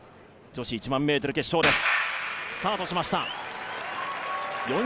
女子１００００ｍ決勝です。